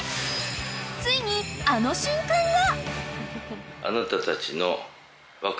［ついにあの瞬間が］